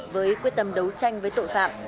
với quyết tâm đấu tranh với tội phạm